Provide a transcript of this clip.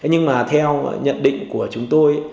nhưng mà theo nhận định của chúng tôi